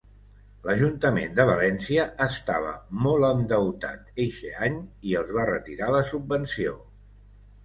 L'Ajuntament de València estava molt endeutat eixe any i els va retirar la subvenció.